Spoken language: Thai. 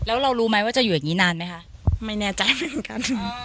แล้วเรารู้ไหมว่าจะอยู่อย่างนี้นานไหมคะไม่แน่ใจเหมือนกัน